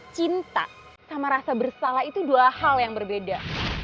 cinta sama rasa bersalah itu dua hal yang berbeda